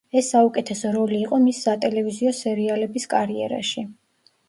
ეს საუკეთესო როლი იყო მის სატელევიზიო სერიალების კარიერაში.